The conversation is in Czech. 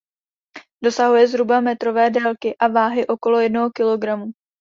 Dosahuje zhruba metrové délky a váhy okolo jednoho kilogramu.